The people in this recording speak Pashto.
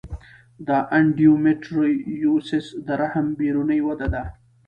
د انډومیټریوسس د رحم بیروني وده ده.